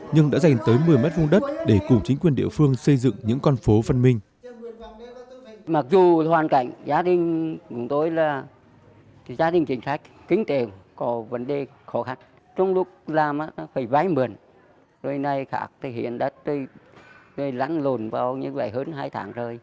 nhưng đã dành tới một mươi m vùng đất để cùng chính quyền địa phương xây dựng những con phố văn minh